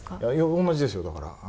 同じですよだから。